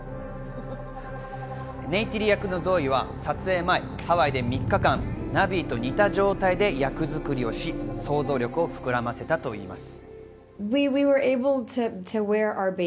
ネイティリ役のゾーイは撮影前、ハワイで３日間、ナヴィと似た状態で役作りをし、想像力を膨らませたといいます。